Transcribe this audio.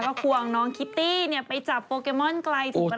ก็ควองน้องคิตตี้ไปจับโปเกมอนไกลจากประเทศญี่ปุ่น